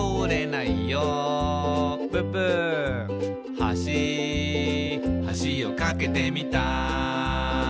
「はしはしを架けてみた」